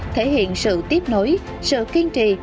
thể hiện sự tiếp nối sự kiên trì